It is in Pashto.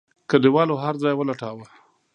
کليوالو هرځای ولټاوه.